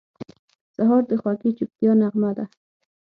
سهار د خوږې چوپتیا نغمه ده.